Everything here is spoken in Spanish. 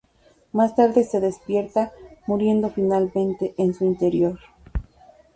Más tarde se despierta, muriendo finalmente en su interior.